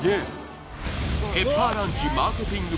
ペッパーランチマーケティング